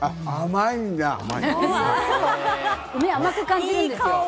梅、甘く感じるんですよ。